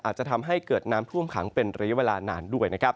อาจจะทำให้เกิดน้ำท่วมขังเป็นระยะเวลานานด้วยนะครับ